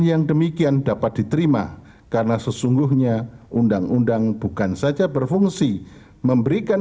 yang demikian dapat diterima karena sesungguhnya undang undang bukan saja berfungsi memberikan